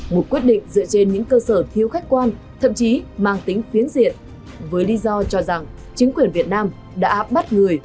một quyết định dựa trên những cơ sở thiếu khách quan thậm chí mang tính phiến diện với lý do cho rằng chính quyền việt nam đã bắt người